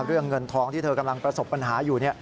เรื่องเงินทองที่เธอกำลังประสบปัญหาอยู่